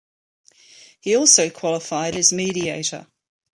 He also qualified as mediator.